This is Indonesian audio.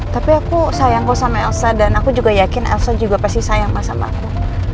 tapi aku sayangku sama elsa dan aku juga yakin elsa juga pasti sayang mas sama aku